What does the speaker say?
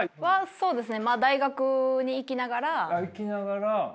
そうですね。